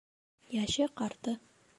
Йәше-ҡарты